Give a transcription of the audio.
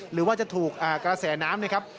หรือว่าจะถูกกระแสน้ำนะครับ